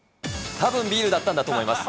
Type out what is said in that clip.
たぶんビールだったんだと思います。